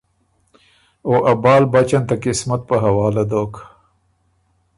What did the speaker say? او ا بال بچ ان ته قسمت په حواله دوک،